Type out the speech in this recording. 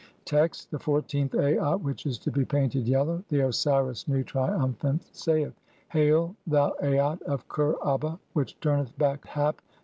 Text : (1) The fourteenth Aat [which is to be painted] yellow. The Osiris Nu, triumphant, saith :— (2) "Hail, thou Aat of Kher aba, which turneth back Hap at Tattu, 1.